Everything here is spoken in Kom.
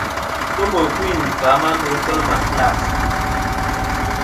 Nomɨ ɨkuyn ;kfà a ma ndo kel màtlas.